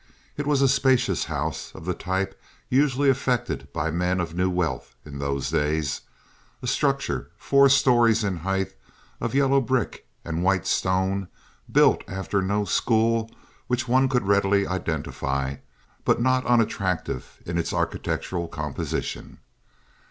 It was a spacious house of the type usually affected by men of new wealth in those days—a structure four stories in height of yellow brick and white stone built after no school which one could readily identify, but not unattractive in its architectural composition.